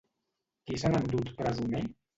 Qui s'han endut presoner?